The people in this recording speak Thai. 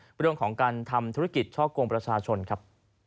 เรื่องของการทำธุรกิจช่อกงประชาชนครับ